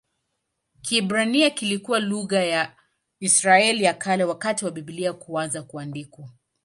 Kiebrania kilikuwa lugha ya Israeli ya Kale wakati wa Biblia kuanza kuandikwa.